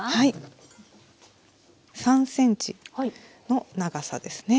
３ｃｍの長さですね。